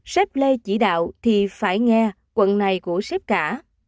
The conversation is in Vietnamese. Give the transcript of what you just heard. sếp lê chỉ đạo thì phải nghe quận này của sếp cả